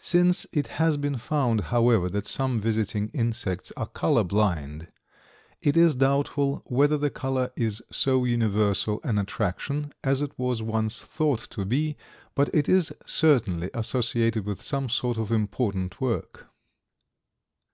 Since it has been found, however, that some visiting insects are color blind, it is doubtful whether the color is so universal an attraction as it was once thought to be, but it is certainly associated with some sort of important work.